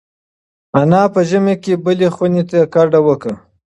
انا په ژمي کې بلې خونې ته کډه وکړه.